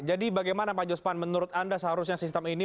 jadi bagaimana pak jospan menurut anda seharusnya sistem ini